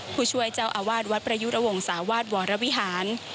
ผู้ช่วยเจ้าอาวาสวัดประยุระวงศาวาสวรวิหาร